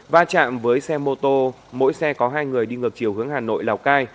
va chạm với xe mô tô mỗi xe có hai người đi ngược chiều hướng hà nội lào cai